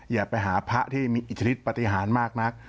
อย่าไปหาพระที่มีอิทธิฤทธปฏิหารมากนัก